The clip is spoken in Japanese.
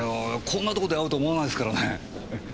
こんなとこで会うと思わないですからね。